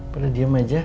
padahal diem aja